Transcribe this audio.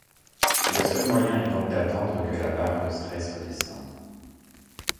Le seul moyen est donc d'attendre que la barre de stress redescende.